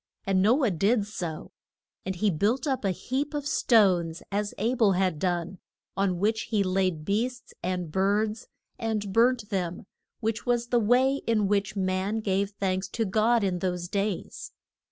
And No ah did so, and he built up a heap of stones as A bel had done, on which he laid beasts and birds, and burnt them, which was the way in which man gave thanks to God in those days.